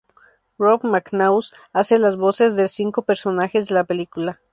Rove McManus hace las voces de los cinco personajes de la película.